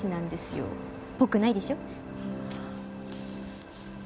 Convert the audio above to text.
っぽくないでしょ？